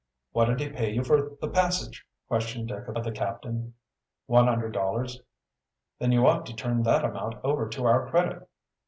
"What did he pay you for the passage?" questioned Dick of the captain. "One hundred dollars." "Then you ought to turn that amount over to our credit."